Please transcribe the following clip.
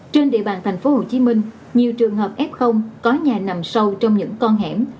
trên địa bàn tp hcm nhiều trường hợp f có nhà nằm sâu trong những con hẻm